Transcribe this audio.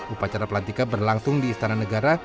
upacara pelantikan berlangsung di istana negara